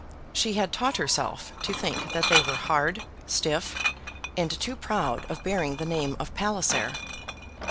She had taught herself to think that they were hard, stiff, and too proud of bearing the name of Palliser.